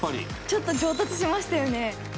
ちょっと上達しましたよね。